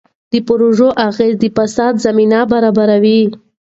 د پروژو اغېز د فساد زمینه برابروي.